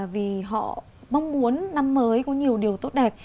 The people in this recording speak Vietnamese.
vì họ mong muốn năm mới có nhiều điều tốt đẹp